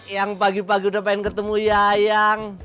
yang pagi pagi udah pengen ketemu yayang